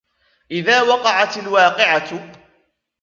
إِذَا وَقَعَتِ الْوَاقِعَةُ